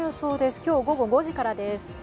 今日午後５時からです。